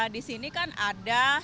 di sini kan ada